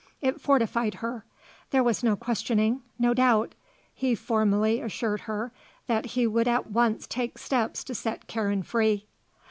It fortified her. There was no questioning; no doubt. He formally assured her that he would at once take steps to set Karen free.